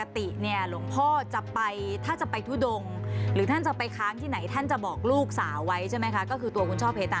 หลวงพ่อจะไปถ้าจะไปทุดงหรือท่านจะไปค้างที่ไหนท่านจะบอกลูกสาวไว้ใช่ไหมคะก็คือตัวคุณช่อเพชร